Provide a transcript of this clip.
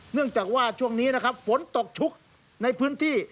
เนื่องจากว่าช่วงนี้นะครับฝนตกชุกในพื้นที่